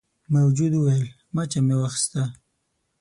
موجود وویل مچه مې واخیسته.